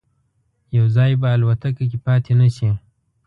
یو ځای به الوتکه کې پاتې نه شي.